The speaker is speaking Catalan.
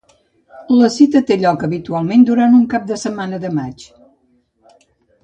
La cita té lloc habitualment durant un cap de setmana de maig.